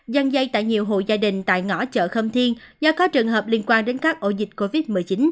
dân dây tại nhiều hộ gia đình tại ngõ chợ khâm thiên do có trường hợp liên quan đến các ổ dịch covid một mươi chín